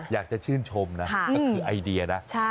อยากจะชื่นชมนะก็คือไอเดียนะ